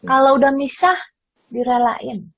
kalau udah misah direlain